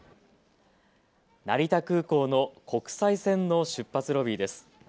成田空港の国際線の出発ロビーです。